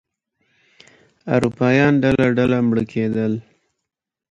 اروپایان ډله ډله مړه کېدل.